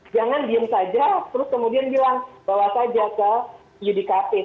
jangan diem saja terus kemudian bilang bawa saja ke yudikatif